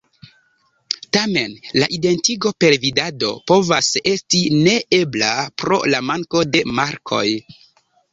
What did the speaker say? Tamen, la identigo per vidado povas esti neebla pro la manko de markoj.